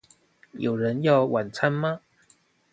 有人要晚餐嗎